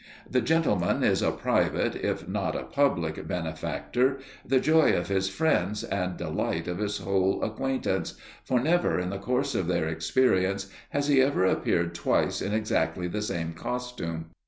The gentleman is a private, if not a public, benefactor, the joy of his friends and delight of his whole acquaintance, for, never in the course of their experience, has he ever appeared twice in exactly the same costume.